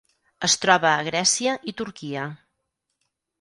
Es troba a Grècia i Turquia.